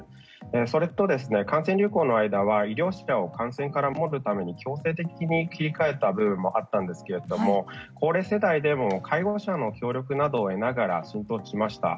それと、感染流行の間は医療者を感染から守るために強制的に切り替えた部分もあったんですけれども高齢世代でも介護者の協力などを得ながら浸透しました。